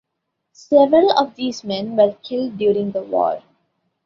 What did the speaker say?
Several of these men were killed during the war.